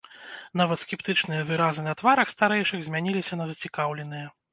Нават скептычныя выразы на тварах старэйшых змяніліся на зацікаўленыя.